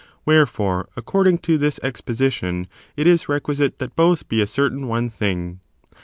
Wherefore, according to ibia exposition, it is requisite that both be a certain one thing.